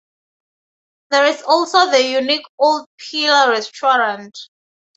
There is also the unique Old Pearler Restaurant.